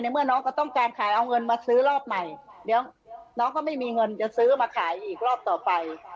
เมื่อน้องก็ต้องการขายเอาเงินมาซื้อรอบใหม่เดี๋ยวน้องก็ไม่มีเงินจะซื้อมาขายอีกรอบต่อไป